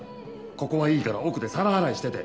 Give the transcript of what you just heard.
ここはいいから奥で皿洗いしてて。